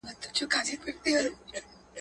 دا کور په ډېر مهارت سره جوړ سوی دی.